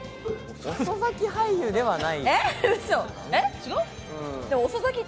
遅咲き俳優ではない。